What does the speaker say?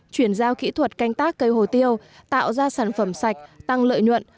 chuyển giao kỹ thuật canh tác cây hồ tiêu tạo ra sản phẩm sạch tăng lợi nhuận